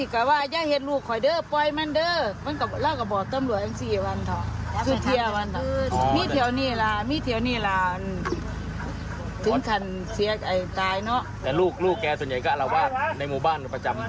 คือว่าในมุมบ้านประจำ